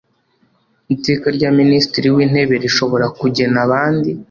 iteka rya minisitiri w'intebe rishobora kugena abandi